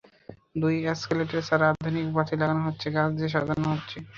দুটি অ্যাসকেলেটর ছাড়াও আধুনিক বাতি লাগানো হচ্ছে, গাছ দিয়ে সাজানো হচ্ছে।